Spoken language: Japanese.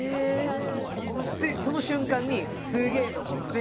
その瞬間にすげえ！と思って。